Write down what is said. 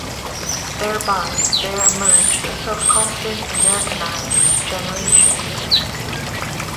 Thereby there emerged a self-confident Americanized generation.